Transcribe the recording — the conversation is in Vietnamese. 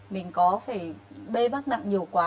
mình có phải bê bác nặng nhiều quá